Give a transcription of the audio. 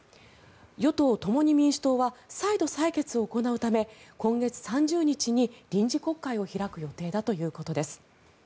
与党・共に民主党は再度採決を行うため今月３０日に臨時国会を開く予定だということです。